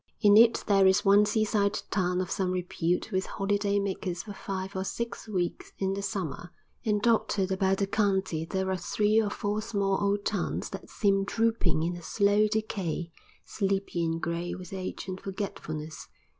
In it there is one seaside town of some repute with holiday makers for five or six weeks in the summer, and dotted about the county there are three or four small old towns that seem drooping in a slow decay, sleepy and gray with age and forgetfulness.